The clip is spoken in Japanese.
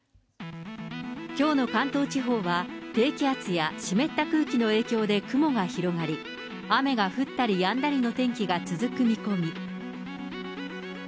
きょうの関東地方は、低気圧や湿った空気の影響で雲が広がり、雨が降ったりやんだりの天気が続く見込み。